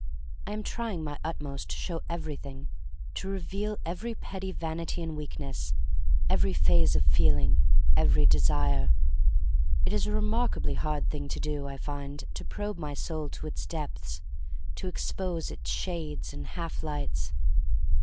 I am trying . my utmost to show everything — to re veal every petty vanity and weakness, every phase of feeling, every desire. It is a remarkably hard thing to do, I find, to probe my soul to its depths, to expose its shades and half lights.